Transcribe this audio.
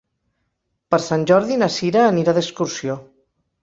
Per Sant Jordi na Sira anirà d'excursió.